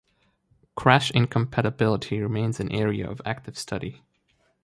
Crash incompatibility remains an area of active study.